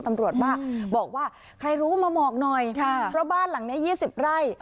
ตำรวจมาบอกว่าใครรู้มาบอกหน่อยเพราะบ้านหลังนี้๒๐ไร่